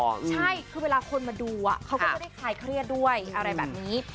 ใช่คือเวลาคนมาดูเขาก็จะได้คลายเครียดด้วยอะไรแบบนี้